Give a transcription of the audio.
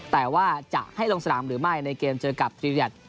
แต่ว่าจะให้ลงสนามหรือไม่ในเกมเจอกับซีเรียส